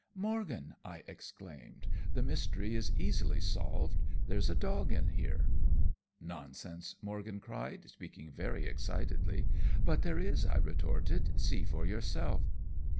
"Morgan!" I exclaimed, "the mystery is easily solved; there's a dog in here." "Nonsense!" Morgan cried, speaking very excitedly. "But there is," I retorted, "see for yourself."